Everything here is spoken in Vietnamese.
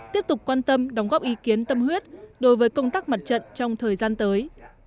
tiếp tục quan tâm đóng góp ý kiến tâm huyết đối với công tác mặt trận trong thời gian tới